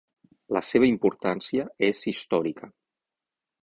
La seva importància és històrica.